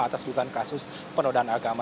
atas dugaan kasus penodaan agama